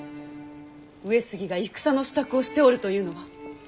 上杉が戦の支度をしておるというのは。